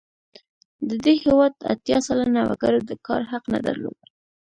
د دې هېواد اتیا سلنه وګړو د کار حق نه درلود.